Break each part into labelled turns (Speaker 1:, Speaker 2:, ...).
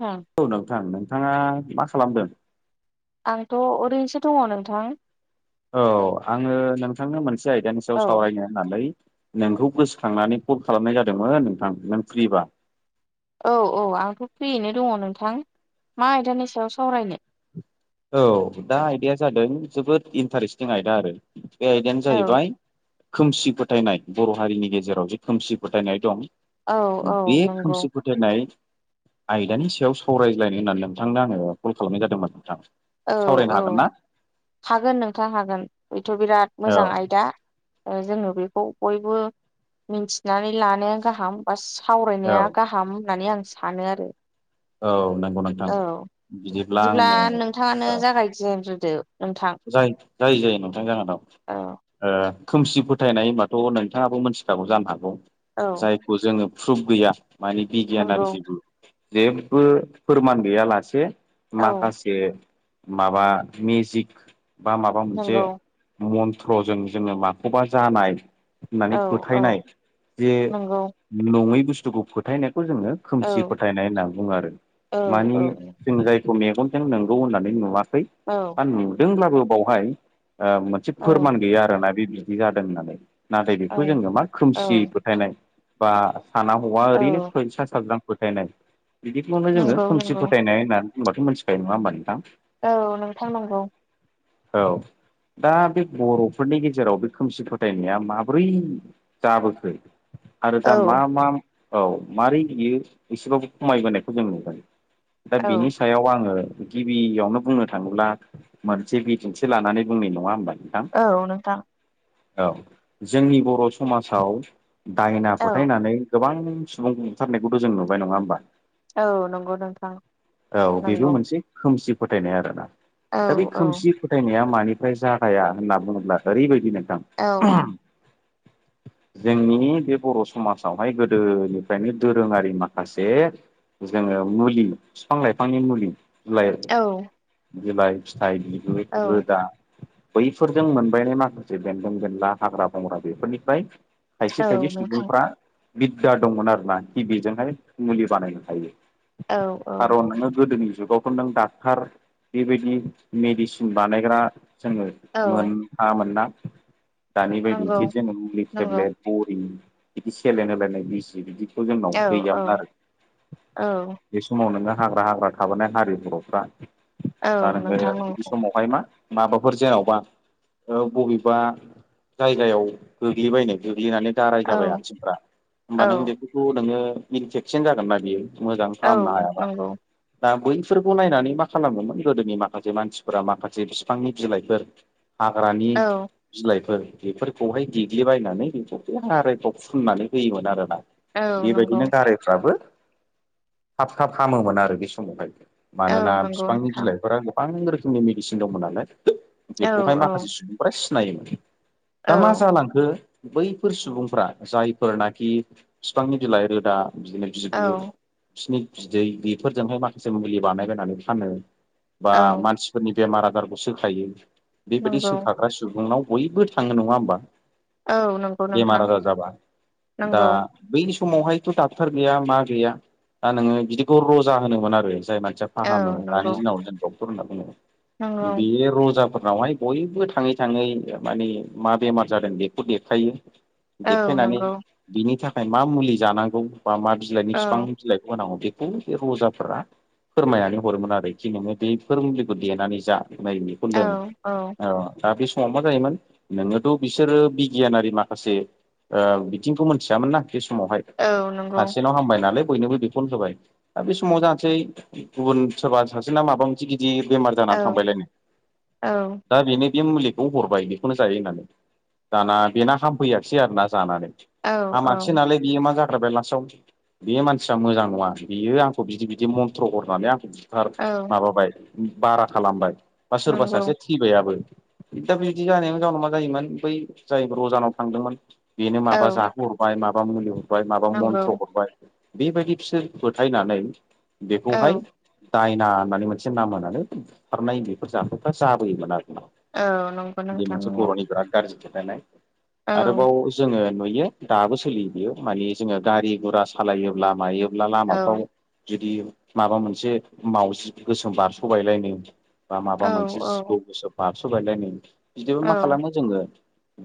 Speaker 1: ओं
Speaker 2: औ नोंथां नोंथाङा मा खालामदों?
Speaker 1: आंथ' ओरैनोसो दङ नोंथां
Speaker 2: औ आङो नोंथांनो मोनसे आयदानि सायाव
Speaker 1: औ
Speaker 2: सावरायनो नानै नोंखौ गोसोखांनानै कल खालामनाय जादोंमोन नोंथां नों फ्रिबा
Speaker 1: औ औ आंथ' फ्रियैनो दङ नोंथां मा आयदानि सायाव सावरायनो
Speaker 2: औ दा आयदाया जादों जोबोद इन्टारेस्टिं आयदा आरो बे आयदायानो
Speaker 1: औ
Speaker 2: जाहैबाय खोमसि फोथायनाय बर' हारिनि गेजेराव जे खोमसि फोथायनाय दं
Speaker 1: औ औ
Speaker 2: बे
Speaker 1: नंगौ
Speaker 2: खोमसि दिनै आयदानि सायाव सावरायज्लायनो होननानै नोंथांनो आङो कल खालामनाय जादोंमोन नोंथां
Speaker 1: औ
Speaker 2: सावरायनो
Speaker 1: औ
Speaker 2: हागोन ना
Speaker 1: हागोन नोंथाङ हागोन बेथ' बिराद
Speaker 2: औ
Speaker 1: मोजां आयदा जोङो बेखौ बयबो मिन्थिनानै लानाया गाहाम बास
Speaker 2: औ
Speaker 1: सावरायनाया गाहाम होननानै आं सानो आरो
Speaker 2: औ नंगौ नों
Speaker 1: औ बिदिब्ला नोंथाङानो जागाय जेनग्रोदो
Speaker 2: जाय जाय जायो नोंथां जाहोनाव
Speaker 1: औ
Speaker 2: खोमसि फोथायनाय होनबाथ' नोंथाङाबो मिथिखागौ जानो हागौ
Speaker 1: औ
Speaker 2: जाय खौ जोङो प्रुफ गैया माने बिगियान आरो
Speaker 1: नंगौ
Speaker 2: जेबो जेबो फोरमान गैयालासे
Speaker 1: औ
Speaker 2: माखासे माबा मेजिक बा माबा मोनसे
Speaker 1: नंगौ
Speaker 2: मन्त्रजों जोङो माखौबा जानाय होननानै
Speaker 1: औ औ
Speaker 2: फोथायनाय जे
Speaker 1: नंगौ
Speaker 2: नङै बुस्थुखौ फोथायनायखौ जोङो
Speaker 1: औ
Speaker 2: खोमसि फोथायनाय होनना बुङो आरो
Speaker 1: औ औ
Speaker 2: मानि जों जाय मेगनजों नंगौ होननानै नुवाखै
Speaker 1: औ
Speaker 2: बा नुदोंब्लाबो बावहाय आ मोनसे फोरमान गैया आरोना बे बिदि जादों होननानै नाथाय
Speaker 1: औ
Speaker 2: बेखौ जोङो मा खोमसि
Speaker 1: औ
Speaker 2: फोथायनाय बा साना हौवा
Speaker 1: औ
Speaker 2: ओरैनो फैसा साब्रां फोथायनाय बिदिखौनो जोङो
Speaker 1: नंगौ
Speaker 2: खोमसि
Speaker 1: नंगौ
Speaker 2: फोथायनाय होननानै बुंबाथ' मोनथिखायो नङा होमबा नोंथां
Speaker 1: औ नोंथां नंगौ
Speaker 2: औ दा बे बर'फोरनि गेजेराव बे खोमसि फोथायनाया माब्रै जाबोखो आरो
Speaker 1: औ
Speaker 2: दा मा मा औ मारै बियो एसेबाबो खमायबोनायखौ जों नुगोन दा
Speaker 1: औ
Speaker 2: बिनि सायाव आङो गिबियावनो बुंनो थाङोब्ला मोनसे बिदिंथि लानानै बुंनाय नङा होमबा नोंथां
Speaker 1: औ नोंथां।
Speaker 2: औ जोंनि बर' समाजाव दायना
Speaker 1: औ
Speaker 2: फोथायनानै गोबां सुबुं ओंखारनायखौथ' जों नुबाय नङा होमबा
Speaker 1: औ नंगौ नोंथां
Speaker 2: औ बेबो
Speaker 1: नंगौ
Speaker 2: मोनसे खोमसि फोथायनाय आरोना
Speaker 1: औ
Speaker 2: दा बे
Speaker 1: औ
Speaker 2: खोमसि फोथायनाया मानिफ्राय जागाया होनना बुङोब्ला ओरैबायदि नोंथां [unintelligible] जोंनि बे बर' समाजावहाय गोदोनिफ्रायनो दोरोङारि माखासे जोङो मुलि फिफां लाइफांनि मुलि बिलाइ
Speaker 1: औ
Speaker 2: बिलाइ, फिथाइ, बिगुर,
Speaker 1: औ
Speaker 2: रोदा बैफोरजों मोनबायनाय माखासे बेन्दों बेनला हाग्रा बंग्रा बेफोरनिफ्राय खायसे
Speaker 1: औ
Speaker 2: खायसे
Speaker 1: नोंथां
Speaker 2: सुबुंफ्रा बिद्दा दंमोन आरो ना खि बिजोंहाय मुलि बानायनो हायो।
Speaker 1: औ औ
Speaker 2: खारन नोङो गोदोनि जुगावथ' नों डाक्टार बेबायदि मेडिसिन बानायग्रा जोङो मोन
Speaker 1: औ
Speaker 2: थाङामोन ना। दानि
Speaker 1: नंगौ
Speaker 2: बायदिजे जोङो मुलि
Speaker 1: नंगौ
Speaker 2: टेब्लेट बरि बिदि सेलेन होलायनाय बिजि बिदि थ' जोंनाव
Speaker 1: औ
Speaker 2: गैयामोन
Speaker 1: औ
Speaker 2: आरो।
Speaker 1: औ
Speaker 2: बे समाव नोङो हाग्रा हाग्रा थाबोनाय हारि बर'फ्रा
Speaker 1: औ
Speaker 2: दा नोङो
Speaker 1: नोंथां नंगौ
Speaker 2: बे समावहाय मा माबाफोर जेन'बा औ बबेबा जायगायाव गोग्लैबायनो गोग्लैनानै गाराय
Speaker 1: औ
Speaker 2: जाबाय आथिंफ्रा होमबा
Speaker 1: औ
Speaker 2: नों बेफोरखौ नोङो मेदिटेक्सिन जागोन ना बियो। मोजां
Speaker 1: औ
Speaker 2: फाहामनो हायाबा
Speaker 1: नंगौ
Speaker 2: दा बैफोरखौ नायनानै मा खालामोमोन गोदोनि माखा से मानसिफोरा माखासे फिफांनि बिलाइफोर हाग्रानि
Speaker 1: औ
Speaker 2: बिलाइफोर बेफोरखौहाय देग्लिबायनानै बेखौ बे गारायफ्राव फुननानै होयोमोन आरोना।
Speaker 1: औ नंगौ
Speaker 2: बेबायदिनो गारायफ्राबो थाब खाब हामोमोन आरो बे समावहाय।
Speaker 1: औ
Speaker 2: मानोना
Speaker 1: नंगौ
Speaker 2: फिफांनि
Speaker 1: नोंथां
Speaker 2: बिलाइफोरा गोबां रोखोमनि मेडिसिन दंमोन नालाय
Speaker 1: औ
Speaker 2: बेखौहाय
Speaker 1: औ
Speaker 2: माखासे सुबुं फ्रा सिनायोमोन
Speaker 1: औ
Speaker 2: दा मा जालां खो बैफोर सुबुंफ्रा जायफोरनाखि फिफांनि बिलाइ रोदा बिदिनो
Speaker 1: औ
Speaker 2: बिगुर फिसिनि बिदै बेफोरजोंहाय माखासे मुलि बानायबायनानै फाननो बा
Speaker 1: औ
Speaker 2: मानसिफोरनि बेमार आजारखौ सोखायो बेबायदि
Speaker 1: नंगौ
Speaker 2: सोखा आरो सुबुंनाव बयबो थाङो नङा होमबा?
Speaker 1: औ नंगौ
Speaker 2: बेमार
Speaker 1: नोंथां
Speaker 2: आजार जाबा दा
Speaker 1: नंगौ
Speaker 2: बै समावहायथ' डाक्टर गैया मा गैया दा नोङो बिदिखौ रजा होनोमोन आरो जाय मानसिया
Speaker 1: औ
Speaker 2: फाहामो
Speaker 1: नंगौ
Speaker 2: दानि दिनाव जों डक्टर होनना बुङो
Speaker 1: नंगौ
Speaker 2: बे रजाफोरनावहाय बयबो थाङै थाङै माने मा बेमार जादों बेखौ देखायो।
Speaker 1: औ
Speaker 2: देखायनानै
Speaker 1: नंगौ
Speaker 2: बिनि थाखाय मा मुलि जानांगौ बा मा बिलाइनि
Speaker 1: औ
Speaker 2: फिफां बिलाइखौ होनांगौ बेखौ बे रजाफोरा फोरमायनानै हरोमोन आरोखि नोङो बेफोर मुलिखौ देनानै जा नै बेखौ
Speaker 1: औ
Speaker 2: लों
Speaker 1: औ
Speaker 2: ओ दा बे समाव मा जायोमोन नोङोथ' बिसोरो बिगियानारि माखासे ओ बिथिंखौ मोनथियामोनना बे समावहाय
Speaker 1: औ नंगौ
Speaker 2: सासेनाव हामबाय नालाय बयनोबो बेखौनो होबाय दा बे समाव जानोसै गुबुन सोरबा सासेना माबा मोनसे गिदिर बेमार
Speaker 1: औ
Speaker 2: जानानै थांबायलायनो
Speaker 1: औ
Speaker 2: दा बेनो बे मुलिखौ हरबाय बेखौनो जायो होननानै दाना बेना हामफैयाखिसै आरोना जानानै
Speaker 1: औ औ
Speaker 2: हामाखसै नालाय बियो मा जाग्रोबाय लास्टआव बे मानसिया मोजां नङा बेयो आंखौ बिदि बिदि मन्थ्र हरनानै आंखौ बार
Speaker 1: औ
Speaker 2: माबाबाय बारा खालामबाय बा सोरबा
Speaker 1: नंगौ
Speaker 2: सासे फैबायाबो दा बिदि जानायनि जाउनाव मा जायोमोन बै जाय रजानाव थांदोंमोन बेनो
Speaker 1: औ
Speaker 2: माबा जाहोहरबाय माबा मुलि हरबाय माबा
Speaker 1: नंगौ
Speaker 2: मन्थ्र हरबाय बेबायदि बिसोर फोथायनानै
Speaker 1: औ
Speaker 2: बेखौहाय दायना होननानै मोन से नाम होनानै बुथारनाय बेफोर जाथायफ्रा जाबोयोमोन आरोना।
Speaker 1: औ नंगौ
Speaker 2: बे
Speaker 1: नोंथां
Speaker 2: मोनसे
Speaker 1: नंगौ
Speaker 2: बर'नि बिराद गाज्रि
Speaker 1: औ
Speaker 2: [unintelligible] आरोबाव जोङो नुयो दाबो सोलियो बेयो मानि जोङो गारि गुरा सालायोब्ला मायो ला
Speaker 1: औ
Speaker 2: लामाफ्राव जुदि माबा मोनसे मावजि गोसोम बारस'बायलायनो बा माबा
Speaker 1: औ
Speaker 2: मोनसे जिबौ
Speaker 1: औ
Speaker 2: गोसोम बारस'बायलायनो बिदियाव
Speaker 1: औ
Speaker 2: मा खालामो जोङो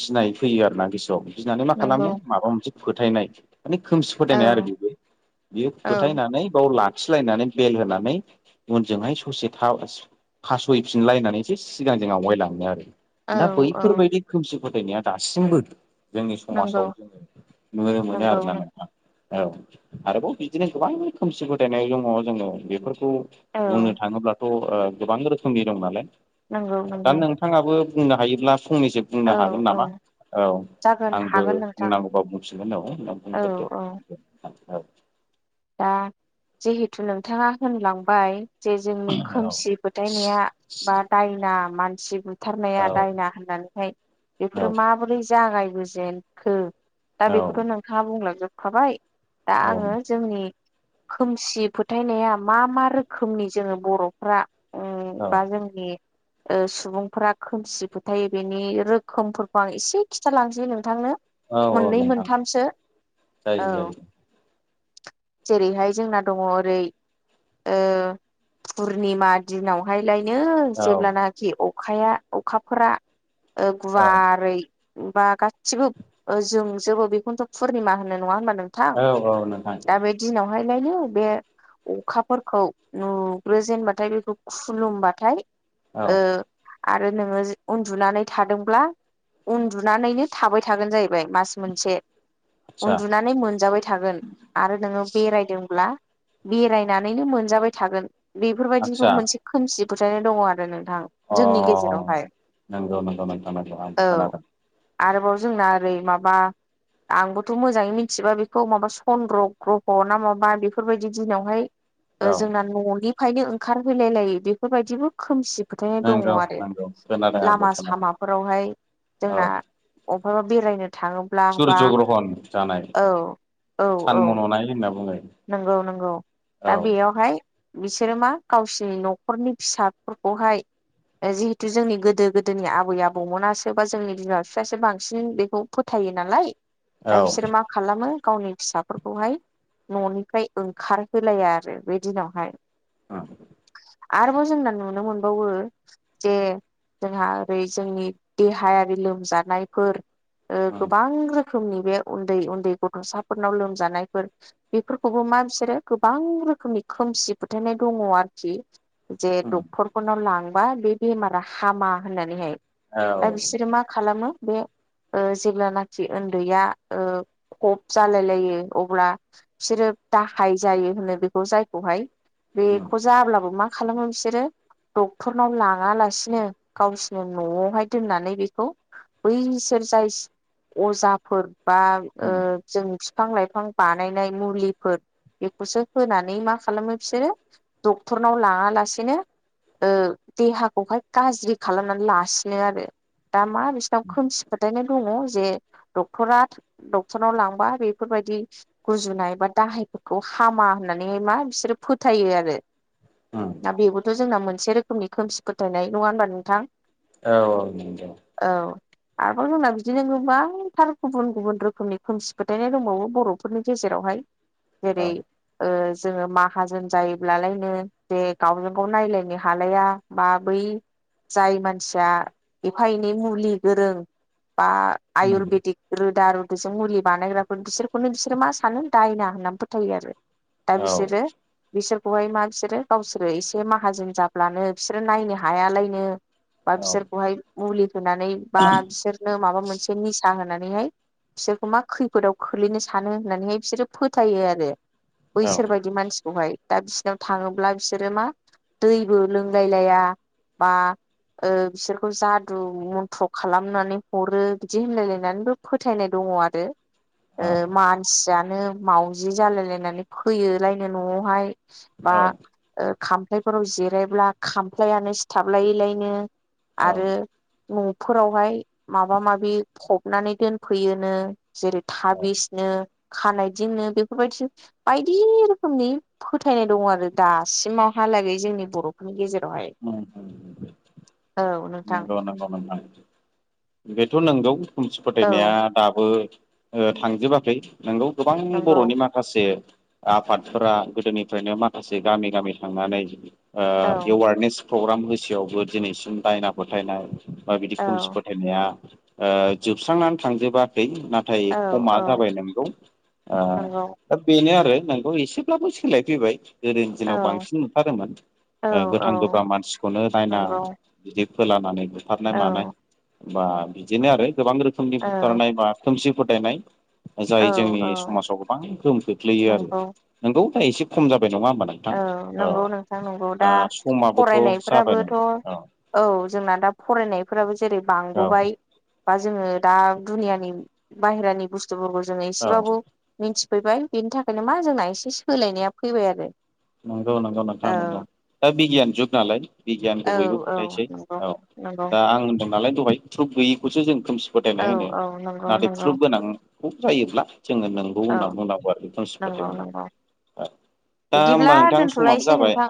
Speaker 2: गिनाय फैयो आरोना गोसोआव गिनानै मा
Speaker 1: नंगौ
Speaker 2: खालामो माबा मोनसे फोथायनाय माने खोमसि
Speaker 1: औ
Speaker 2: फोथायनाय आरो बेबो बेयो
Speaker 1: औ
Speaker 2: फोथायनानै बाव लाखिलायनानै बेल होनानै उनजोंहाय ससे था फासयफिनलायनानैसो सिगांजों आवगायलाङो आरो। दा
Speaker 1: औ
Speaker 2: बैफोरबायदि खोमसि फोथायनाया दासिमबो जोंनि
Speaker 1: नंगौ
Speaker 2: समाजाव जोङो नुनो मोनो
Speaker 1: नंगौ
Speaker 2: आरोना नोंथां। औ आरोबाव बिदिनो गोबां खोमसि फोथायनाय दङ जोङो बेफोरखौ
Speaker 1: औ
Speaker 2: बुंनो थाङोब्लाथ' ओ गोबां रोखोमनि दं नालाय
Speaker 1: नंगौ
Speaker 2: दा
Speaker 1: नंगौ
Speaker 2: नों थाङाबो बुंनो हायोब्ला फंनैसो
Speaker 1: औ
Speaker 2: बुंनो हागोन
Speaker 1: औ
Speaker 2: नामा औ
Speaker 1: जागोन
Speaker 2: आंबो
Speaker 1: हागोन नोंथां
Speaker 2: बुंनांगौबा बुंफिनगोन औ नों
Speaker 1: औ
Speaker 2: बुंग्रोदो।
Speaker 1: औ
Speaker 2: [unintelligible]
Speaker 1: दा जिहेथु नोंथाङा होनलांबाय जे जोंनि
Speaker 2: औ
Speaker 1: खोमसि फोथायनाया बा दायना मानसि बु थारनाया दायना होननानैहाय बेफोरो माबोरै जागायबोजेनखो। दा
Speaker 2: औ
Speaker 1: बेखौथ' नोंथाङा बुंलांजोबखाबाय दा आङो जोंनि खोमसि फोथायनाया मा मा रोखोमनि जोङो बर'फ्रा उम बा
Speaker 2: औ
Speaker 1: जोंनि ओ सुबुंफोरा खोमसि फोथायो बेनि रोखोमफोरखौ आं एसे खिन्थालांसै नोंथांनो।
Speaker 2: औ
Speaker 1: मोननै
Speaker 2: नोंथां
Speaker 1: मोनथामसो
Speaker 2: जायो
Speaker 1: औ।
Speaker 2: जायो
Speaker 1: जेरैहाय जोंना दङ ओरै ओ पुर्निमा दिनावहायलायनो
Speaker 2: औ
Speaker 1: जेब्लानाखि अखाया अखाफोरा ओ
Speaker 2: औ
Speaker 1: गुवारै बा गासिबो ओ जोंजोबो बेखौनोथ' पुर्निमा होनो नङा होनबा नोंथां?
Speaker 2: औ औ नोंथां।
Speaker 1: दा बे दिनावहायलायनो बे अखाफोरखौ नुग्रोजेनबाथाय बेखौ खुलुमबाथाय
Speaker 2: औ
Speaker 1: ओ आरो नोङो जि उन्दुनानै थादोंब्ला उन्दुनानैनो थाबाय थागोन जाहैबाय मास मोनसे।
Speaker 2: आदसा
Speaker 1: उन्दुनानै मोनजाबाय थागोन। आरो नोङो बेरायदोंब्ला बेरायनानैनो मोनजाबाय थागोन बेफोरबायदिखौ
Speaker 2: आदसा
Speaker 1: मोनसे खोमसि फोथायनाय दङ आरो नोंथां।
Speaker 2: अ
Speaker 1: जोंनि गेजेरावहाय
Speaker 2: नंगौ नंगौ नोंथां आंबो आंबो
Speaker 1: औ
Speaker 2: खोनादों।
Speaker 1: आरोबाव जोंना ओरै माबा आंबोथ' मोजाङै मिथिबा बेखौ माबा चन्द्र ग्रह' ना माबा बेफोरबायदि दिनावहाय ओ
Speaker 2: औ
Speaker 1: जोंना न'नि खायनो ओंखारहोलाय लायि बेफोरबायदिबो खोमसि फोथायनाय दङ
Speaker 2: नंगौ
Speaker 1: आरो
Speaker 2: नंगौ खोनादों आंबो
Speaker 1: लामा
Speaker 2: खोनादों
Speaker 1: सामाफोरावहाय
Speaker 2: औ
Speaker 1: जोंना अबहायबा बेरायनो थाङो
Speaker 2: सुर्य ग्रहन जानाय
Speaker 1: औ
Speaker 2: सान
Speaker 1: औ
Speaker 2: मन'नाय होनना बुंङो।
Speaker 1: नंगौ नंगौ दा बेयावहाय बिसोरो मा गावसिनि न'खरनि फिसाफोरखौहाय ओ जिहेतु जोंनि गोदो गोदोनि आबै आबौमोनासो बा जोंनि बिमा बिफायासो बांसिन बेखौ फोथायो नालाय दा
Speaker 2: औ
Speaker 1: बिसोरो मा खालामो गावनि फिसाफोरखौहाय न'निफ्राय ओंखारहोलाया आरो बे दिनावहाय।
Speaker 2: औ।
Speaker 1: आरोबाव जोंना नुनो मोनबावो जे जोंहा ओरै जोंनि देहायारि लोमजानायफोर ओ
Speaker 2: उम
Speaker 1: गोबां रोखोमनि बे उन्दै उन्दै गथ'साफोरनाव लोमजानायफोर बेफोरखौबो मा बिसोरो गोबां रोखोमनि खोमसि फोथायनाय दङ आरोखि। जे
Speaker 2: उम
Speaker 1: डक्टरफोरनाव लांबा बे बेमारा हामा होननानैहाय।
Speaker 2: औ
Speaker 1: दा बिसोरो मा खालामो बे ओ जेब्लानाखि उन्दैया ओ खब जालायलायो अब्ला बिसोरो दाहाय जायो होनो बेखौ जायखौहाय
Speaker 2: उम
Speaker 1: बेखौ जाब्लाबो मा खालामो बिसोरो डक्टरनाव लाङा लासिनो गावसोरनो न'आवहाय दोननानै बेखौ बैसोर जाय अजाफोर बा ओ
Speaker 2: उम
Speaker 1: जों बिफां लाइफां बा नायनाय मुलिफोर बेखौसो होनानै मा खालामो बिसोरो डक्टरनाव लाङा लासिनो ओ देहाखौहाय गाज्रि खालामनानै लासिनो आरो। दा मा बिसिनाव खोमसि फोथायनाय दङ' जे डक्टरा डक्टराव लांबा बेफोरबायदि गुजुनाय बा दाहायफोरखौ हामा होननानैहाय मा बिसोरो फोथायो आरो।
Speaker 2: उम
Speaker 1: दा बेबोथ' जोंना मोनसे रोखोमनि खोमसि फोथायनाय। नङा होनबा नोंथां?
Speaker 2: औ औ नोंगौ।
Speaker 1: औ। आरोबाव जोंना बिदिनो गोबांथार गुबुन गुबुन रोखोमनि खोमसि फोथायनाय दंबावो बर' फोरनि गेजेरावहाय। जेरै
Speaker 2: औ
Speaker 1: ओ जोङो माहाजोन जायोब्लालायनो जे गावजों गाव नायलायनो हालाया बा बै जाय मानसिया एफा एनै मुलि गोरों बा
Speaker 2: उम
Speaker 1: आयुरवेदिक रोदा रुद'जों मुलि बानायग्राफोर बिसोरखौनो बिसो सोरो मा सानो दायना होननानै फोथायो आरो। दा
Speaker 2: औ
Speaker 1: बिसोरो बिसोरखौहाय मा बिसोरो गावसोरो एसे माहाजोन जाब्लानो बिसोरो नायनो हायालायनो बा
Speaker 2: औ
Speaker 1: बिसोरखौहाय मुलि होनानै बा बिसोरनो माबा मोनसे निसा होनानैहाय बिसोरखौ मा खैफोदाव खोलैनो सानो होननानैहाय बिसोरो फोथायो आरो। बैसोर बायदि मानसिखौहाय। दा बिसिनाव थाङोब्ला बिसोरो मा दैबो लोंलाय लाया बा ओ बिसोरखौ जादु मन्थ्र' खालामनानै हरो बिदि होनलायलायनानैबो फोथायनाय दङ' आरो।
Speaker 2: औ
Speaker 1: ओ
Speaker 2: औ
Speaker 1: मानसियानो मावजि जालायलायनानै फैयोलायनो न'आवहाय बा
Speaker 2: औ
Speaker 1: ओ खामफ्लायफोराव जिरायब्ला खामफ्लायानो सिथाबलाय लायनो।
Speaker 2: औ
Speaker 1: आरो न'फोरावहाय माबा माबि फबनानै दोनफैयोनो। जेरै
Speaker 2: औ
Speaker 1: थाबिसनो खानायदिंनो बेफोरबायदि बायदि रोखोमनि फोथायनाय दङ' आरो दासिमावहालागै जोंनि बर' नि गेजेरावहाय। औ नोंथां
Speaker 2: [unintelligible] बेथ' नंगौ खोमसि
Speaker 1: औ
Speaker 2: फोथायनाया दाबो ओ थांजोबाखै। नोंगौ, गोबां
Speaker 1: नंगौ
Speaker 2: बर'नि मा खासे आफादफोरा गोदोनिफ्रायनो माखासे गामि गामि थांनानै ओ
Speaker 1: औ
Speaker 2: एवारनेस प्रग्राम होसेयावबो दिनैसिम दायना फोथायनाय बा बिदि
Speaker 1: औ
Speaker 2: खोमसि फोथायनाया ओ जोबस्रांनानै थांजोबाखै। ना थाय
Speaker 1: औ
Speaker 2: खमा
Speaker 1: औ
Speaker 2: जाबाय नोंगौ। ओ
Speaker 1: नंगौ
Speaker 2: दा बेनो आरो नोंगौ एसेब्लाबो सोलायफैबाय। गोदोनि
Speaker 1: औ
Speaker 2: दिनाव बांसिन नुथारोमोन
Speaker 1: औ
Speaker 2: ओ
Speaker 1: औ
Speaker 2: गोथां गोब्राम मानसिखौनो दायना
Speaker 1: नंगौ
Speaker 2: बिदि फोलानानै बुथारनाय
Speaker 1: औ
Speaker 2: मानाय बा बिदिनो आरो गोबां रोखोमनि
Speaker 1: औ
Speaker 2: बुथारनाय बा खोमसि फोथायनाय
Speaker 1: औ
Speaker 2: जाय जोंनि
Speaker 1: औ
Speaker 2: समाजाव गोबां गोहोम खोख्लैयो आरो।
Speaker 1: नंगौ
Speaker 2: नोंगौ दा एसे खम जाबाय। नङा होमबा नों
Speaker 1: औ नंगौ नोंथां नंगौ। दा
Speaker 2: समाबोथ' जाबायनो
Speaker 1: फरायनायफोराबोथ' औ जोंना दा फरायनायफोराबो जेरै
Speaker 2: औ
Speaker 1: बांबोबाय बा जोङो दा दुनियानि बाहेरानि बुस्थुफोरखौ जोङो
Speaker 2: औ
Speaker 1: एसेबाबो मिन्थिफैबाय। बिनि थाखायनो मा जोंना एसे सोलायनाया फैबाय आरो।
Speaker 2: नंगौ नंगौ नोंथां नंगौ, दा बिगियान जुग नालाय। बिगियानखौ
Speaker 1: औ
Speaker 2: बयबो
Speaker 1: औ
Speaker 2: फोथायसै।
Speaker 1: नंगौ
Speaker 2: औ
Speaker 1: नंगौ
Speaker 2: दा आं होनदों नालाय दहाय प्रुब गैयैखौसो जों खोमसि
Speaker 1: औ
Speaker 2: फोथायनाय होनो।
Speaker 1: औ नंगौ
Speaker 2: नाथाय
Speaker 1: नंगौ
Speaker 2: प्रुब गोनां प्रुब जायोब्ला जोङो नंगौ
Speaker 1: औ
Speaker 2: होनना बुंनांगौ आरो बे खोमसि
Speaker 1: नंगौ
Speaker 2: फोथायनायाव।
Speaker 1: नंगौ
Speaker 2: दा होमबा
Speaker 1: बिदिब्ला
Speaker 2: नोंथां समाबो
Speaker 1: दोनथ'लायसै
Speaker 2: जाबाय।
Speaker 1: नोंथां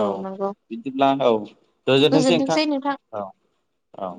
Speaker 2: औ बिदिब्ला औ गोजोनथोंसै नोंथां औ औ।